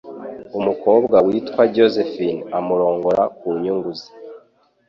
umukobwa witwa Josephine amurongora ku nyungu ze